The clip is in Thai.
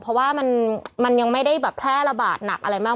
เพราะว่ามันยังไม่ได้แบบแพร่ระบาดหนักอะไรมาก